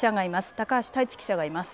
高橋太一記者がいます。